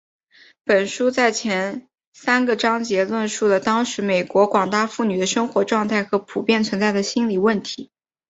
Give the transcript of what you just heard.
本书在前三个章节论述了当时美国广大妇女的生活状态和普遍存在的心理问题。